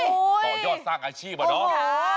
ต่อยอดสร้างอาชีพอะเนาะ